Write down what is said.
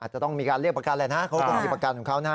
จะต้องมีการเรียกประกันแหละนะเขาคงมีประกันของเขานะ